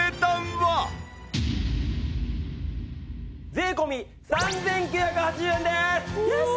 税込３９８０円です！